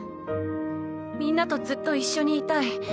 みんなとずっと一緒にいたい。